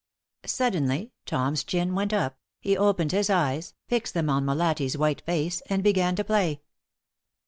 Suddenly Tom's chin went up, he opened his eyes, fixed them on Molatti's white face, and began to play.